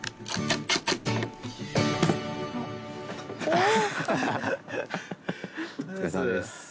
お疲れさまです。